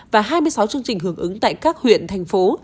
và hai mươi sáu chương trình hưởng ứng tại các huyện thành phố